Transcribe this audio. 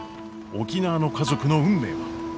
沖縄の家族の運命は！？